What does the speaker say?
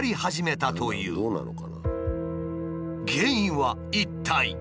原因は一体。